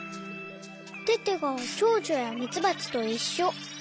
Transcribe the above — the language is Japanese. テテがチョウチョやミツバチといっしょ。